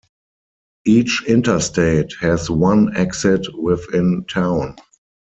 Each interstate has one exit within town.